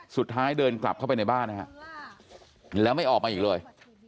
เดินกลับเข้าไปในบ้านนะฮะแล้วไม่ออกมาอีกเลย